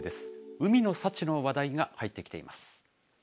海の幸の話題が入ってきています。